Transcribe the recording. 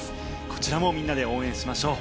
こちらもみんなで応援しましょう。